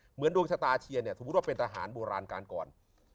เหมือนดวงชะตาเชียร์สมมติเป็นสถานบราณกันก่อน